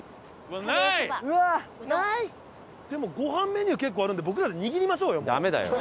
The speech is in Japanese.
でもご飯メニュー結構あるんで僕らで握りましょうよ。